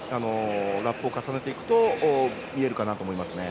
ラップを重ねていくと見えるかなと思いますね。